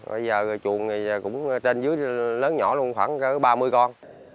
bây giờ chuồng thì cũng trên dưới lớn nhỏ luôn khoảng ba mươi con